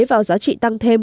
vào giá trị tăng thêm